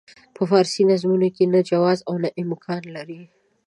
په فارسي نظمونو کې نه جواز او نه امکان لري.